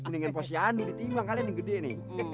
ini harus kita adilin